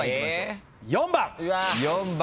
４番！